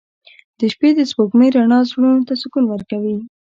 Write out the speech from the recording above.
• د شپې د سپوږمۍ رڼا زړونو ته سکون ورکوي.